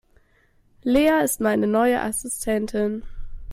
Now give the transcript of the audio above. Lea ist meine neue Assistentin.